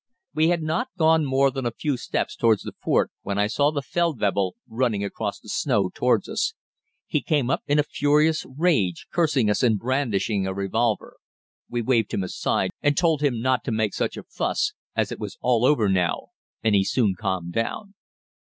We had not gone more than a few steps towards the fort when I saw the Feldwebel running across the snow towards us. He came up in a furious rage, cursing us and brandishing a revolver. We waved him aside and told him not to make such a fuss, as it was all over now, and he soon calmed down.